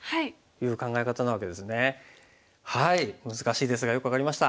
はい難しいですがよく分かりました。